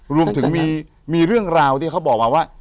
รวมถึงมีเรื่องราวที่เขาบอกมาว่า